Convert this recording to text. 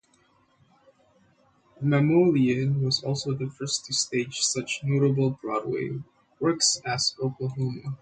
Mamoulian was also the first to stage such notable Broadway works as Oklahoma!